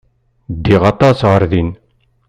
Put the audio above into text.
Ddiɣ aṭas ɣer din.